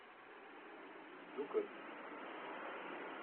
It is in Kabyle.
Sdukkel.